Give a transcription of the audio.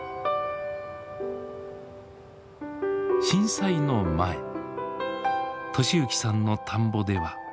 震災の前利幸さんの田んぼでは。